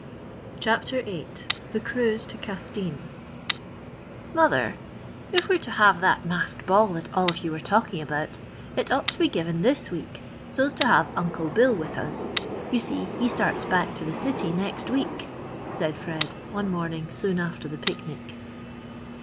CHAPTER EIGHT THE CRUISE TO CASTINE "Mother, if we're to have that masked ball that all of you were talking about, it ought to be given this week so's to have Uncle Bill with us. You see, he starts back to the city next week," said Fred, one morning soon after the picnic.